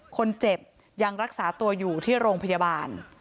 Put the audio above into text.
คนเจ็บยังรักษาตัวอยู่ที่โรงพยาบาล